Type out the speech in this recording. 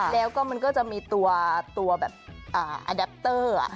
แล้วก็มันก็จะมีตัวแบบอดับเตอร์